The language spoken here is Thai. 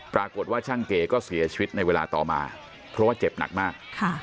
กระทั่งช่างเก๋ก็เสียชีวิตในเวลาต่อมาเพราะว่าเจ็บหนักมาก